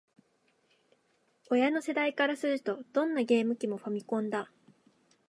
親の世代からすると、どんなゲーム機も「ファミコン」だ